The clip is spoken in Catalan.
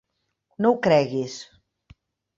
No ho creguis.